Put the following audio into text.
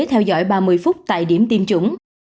y tế theo dõi ba mươi phút tại điểm tiêm chủng